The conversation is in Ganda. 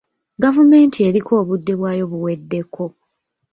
Gavumenti eriko obudde bwayo buweddeko.